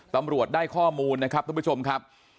ตำรวจได้ข้อมูลนะครับทุกผู้ชมครับ